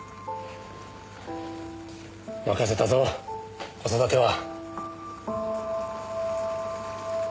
任せたぞ子育ては。